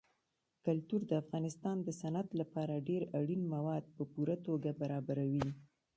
کلتور د افغانستان د صنعت لپاره ډېر اړین مواد په پوره توګه برابروي.